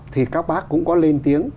thì các bác cũng có lên tiếng